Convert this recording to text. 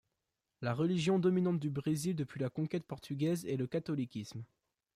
La religion dominante du Brésil depuis la conquête portugaise est le catholicisme.